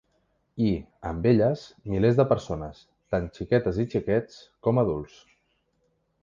I, amb elles, milers de persones, tant xiquetes i xiquets com adults.